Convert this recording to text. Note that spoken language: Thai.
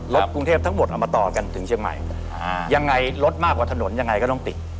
กรุงเทพทั้งหมดเอามาต่อกันถึงเชียงใหม่ยังไงรถมากกว่าถนนยังไงก็ต้องติด